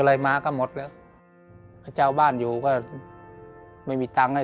และกับผู้จัดการที่เขาเป็นดูเรียนหนังสือ